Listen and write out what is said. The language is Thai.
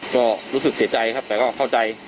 ก็รู้สึกเสียใจครับแต่ก็เข้าใจ